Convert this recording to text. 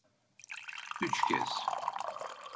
Üç kez.